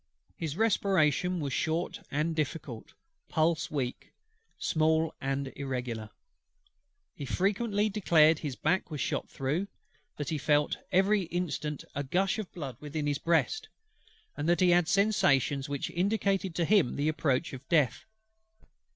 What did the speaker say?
His respiration was short and difficult; pulse weak, small, and irregular. He frequently declared his back was shot through, that he felt every instant a gush of blood within his breast, and that he had sensations which indicated to him the approach of death.